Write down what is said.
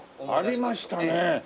ああありましたね。